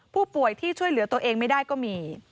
ผู้ป่วยที่ช่วยเหลือตัวเองไม่ได้ก็มี